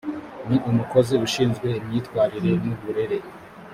ni umukozi ushinzwe imyitwarire n’uburere